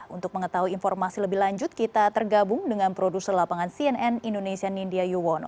untuk mengetahui informasi lebih lanjut kita tergabung dengan produser lapangan cnn indonesia nindya yuwono